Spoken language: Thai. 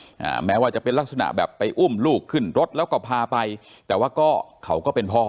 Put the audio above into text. อ่าแม้ว่าจะเป็นลักษณะแบบไปอุ้มลูกขึ้นรถแล้วก็พาไปแต่ว่าก็เขาก็เป็นพ่อ